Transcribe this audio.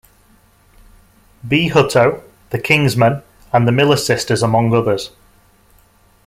B. Hutto, the Kingsmen, and the Miller Sisters, among others.